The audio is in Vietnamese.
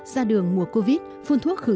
ra đường mùa covid phun thuốc khử